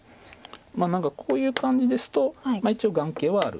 何かこういう感じですと一応眼形はある。